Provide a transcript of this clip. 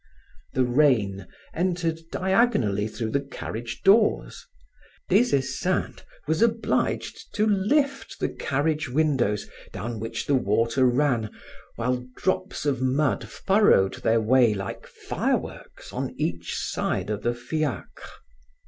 The rain entered diagonally through the carriage doors. Des Esseintes was obliged to lift the carriage windows down which the water ran, while drops of mud furrowed their way like fireworks on each side of the fiacre.